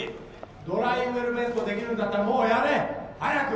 「ドライウェルベントできるんだったらもうやれ！早く！」。